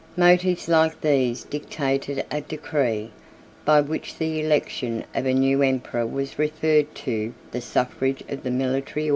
Motives like these dictated a decree, by which the election of a new emperor was referred to the suffrage of the military order.